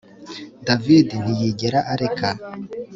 David ntiyigera areka